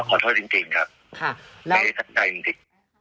ก็ขอโทษจริงครับไม่ได้สนใจมันดี